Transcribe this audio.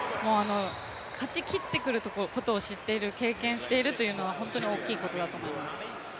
勝ちきってくることを知っている、経験しているというのは本当に大きいことだと思います。